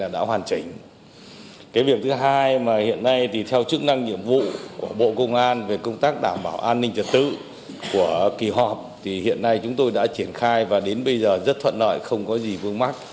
cái việc thứ hai mà hiện nay thì theo chức năng nhiệm vụ của bộ công an về công tác đảm bảo an ninh trật tự của kỳ họp thì hiện nay chúng tôi đã triển khai và đến bây giờ rất thuận lợi không có gì vương mắc